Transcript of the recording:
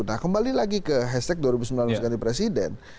nah kembali lagi ke hashtag dua ribu sembilan belas ganti presiden